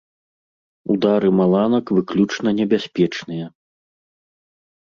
Удары маланак выключна небяспечныя.